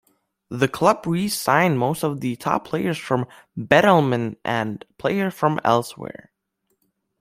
The club re-signed most of the top players from Bethlehem and players from elsewhere.